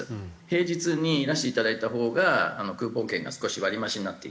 平日にいらしていただいたほうがクーポン券が少し割り増しになっていたり。